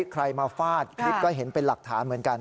ใครมาฟาดคลิปก็เห็นเป็นหลักฐานเหมือนกัน